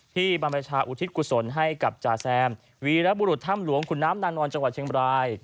บรรพชาอุทิศกุศลให้กับจาแซมวีรบุรุษถ้ำหลวงขุนน้ำนางนอนจังหวัดเชียงบราย